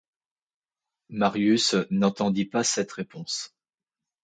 Marius n'entendit pas cette réponse.